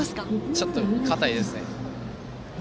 ちょっと硬いですね。